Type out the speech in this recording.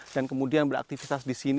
dan kemudian beraktivitas di sini